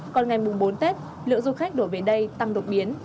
còn ngày mùng bốn tết lượt du khách đổ về đây tăng độc biến